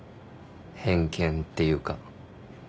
偏見っていうか。